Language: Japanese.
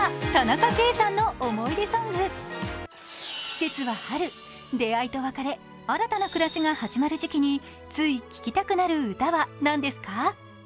季節は春出会いと別れ新たな暮らしが始まる時期につい聴きたくなる歌は何ですか？